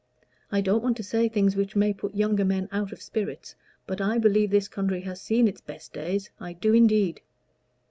I don't want to say things which may put younger men out of spirits, but I believe this country has seen it's best days I do, indeed."